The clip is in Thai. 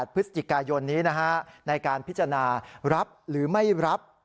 พฤศจิกายนนี้ในการพิจารณารับหรือไม่รับ